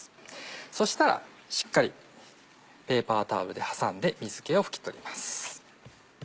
そしたらしっかりペーパータオルで挟んで水気を拭き取ります。